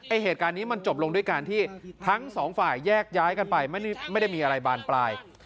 เหตุการณ์นี้มันจบลงด้วยการที่ทั้งสองฝ่ายแยกย้ายกันไปไม่ได้มีอะไรบานปลาย